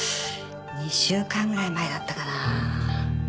２週間ぐらい前だったかな？